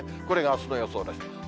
これがあすの予想でした。